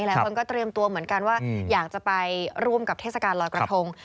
หลายคนก็เตรียมตัวเหมือนกันว่าอยากจะไปร่วมกับเทศกาลลอยกระทง